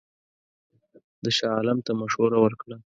ده شاه عالم ته مشوره ورکړه.